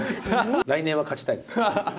来年は勝ちたいです。